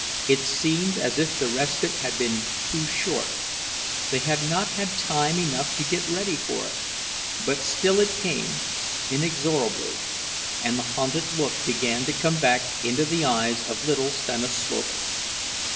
It seemed as if the respite had been too short—they had not had time enough to get ready for it; but still it came, inexorably, and the hunted look began to come back into the eyes of little Stanislovas.